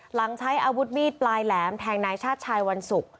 หลังใช้อาวุธมีดปลายแหลมแทงนายชาติชายวันศุกร์